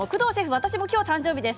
私も誕生日です。